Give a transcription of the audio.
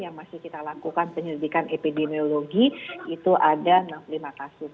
yang masih kita lakukan penyelidikan epidemiologi itu ada enam puluh lima kasus